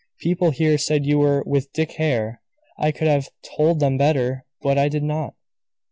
People here said you were with Dick Hare; I could have told them better; but I did not.